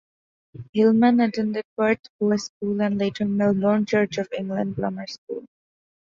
Hillman attended Perth Boys School and later Melbourne Church of England Grammar School.